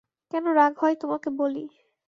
কেন রাগ হয় তোমাকে বলি।